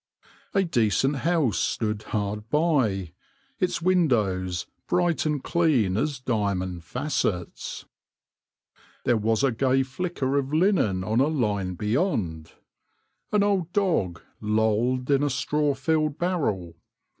A decent house stood hard by, its windows bright and clean as diamond facets. There was a gay flicker of linen on BEE KEEPING AND THE SIMPLE LIFE 187 a line beyond. An old dog lolled in a straw filled barrel.